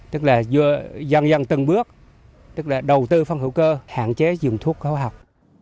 tức là dần dần từng bước tức là đầu tư phong hữu cơ hạn chế dùng thuốc khóa học